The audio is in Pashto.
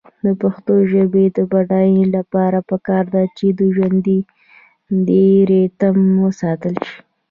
د پښتو ژبې د بډاینې لپاره پکار ده چې ژوندی ریتم وساتل شي.